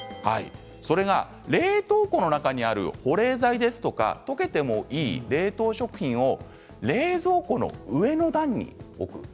冷凍庫の中にある保冷剤ですとかとけてもいい冷凍食品を冷蔵庫の上の段に置く。